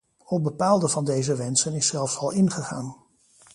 Op bepaalde van deze wensen is zelfs al ingegaan.